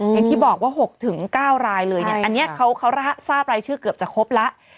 อย่างที่บอกว่า๖๙รายเลยเนี่ยอันนี้เขาทราบรายชื่อเกือบจะครบแล้ว